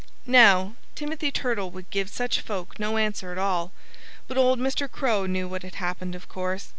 Now, Timothy Turtle would give such folk no answer at all. But old Mr. Crow knew what had happened of course.